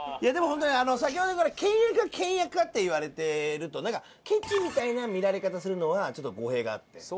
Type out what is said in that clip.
でも本当に先ほどから倹約家倹約家って言われてるとなんかケチみたいな見られ方するのはちょっと語弊があって。